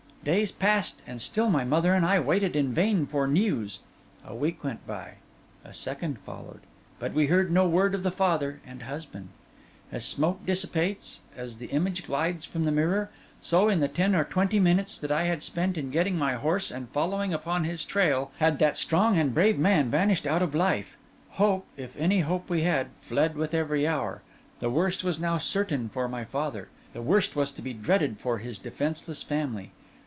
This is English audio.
Days passed, and still my mother and I waited in vain for news; a week went by, a second followed, but we heard no word of the father and husband. As smoke dissipates, as the image glides from the mirror, so in the ten or twenty minutes that I had spent in getting my horse and following upon his trail, had that strong and brave man vanished out of life. Hope, if any hope we had, fled with every hour; the worst was now certain for my father, the worst was to be dreaded for his defenceless family.